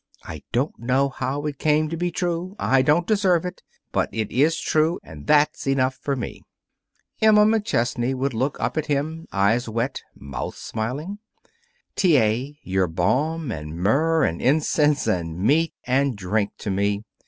I don't know how it came to be true. I don't deserve it. But it is true, and that's enough for me." Emma McChesney would look up at him, eyes wet, mouth smiling. "T. A., you're balm and myrrh and incense and meat and drink to me.